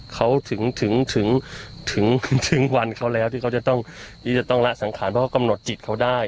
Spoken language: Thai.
เขาถึงถึงวันเขาแล้วที่เขาจะต้องที่จะต้องละสังขารเพราะเขากำหนดจิตเขาได้